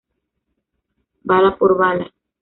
Bala por bala.